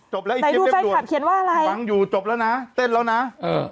จบแล้วไอเจ๊เนี๊ยบดวนปังอยู่จบแล้วนะแต้นละนะเออ